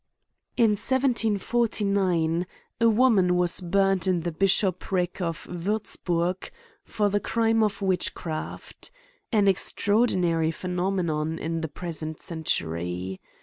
IN 1749, a woman was burned in the Bishopric of Wurtzburg, for the crime of witchcraft — An extraordinary phenomenon in the present centu ry.